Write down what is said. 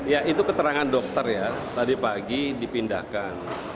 ya itu keterangan dokter ya tadi pagi dipindahkan